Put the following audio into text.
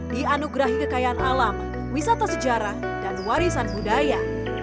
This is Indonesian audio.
dianugerahi kekayaan alam wisata sejarah dan warisan budaya